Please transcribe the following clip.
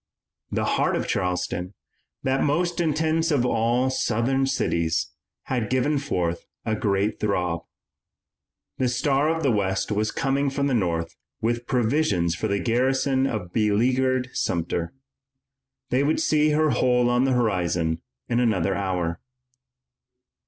The heart of Charleston, that most intense of all Southern cities, had given forth a great throb. The Star of the West was coming from the North with provisions for the garrison of beleaguered Sumter. They would see her hull on the horizon in another hour.